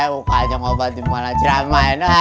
buka aja ngobatin malah cermain